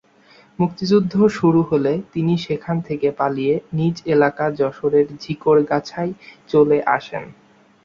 মুক্তিযুদ্ধ শুরু হলে তিনি সেখান থেকে পালিয়ে নিজ এলাকা যশোরের ঝিকরগাছায় চলে আসেন।